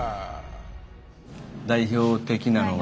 代表的なのが。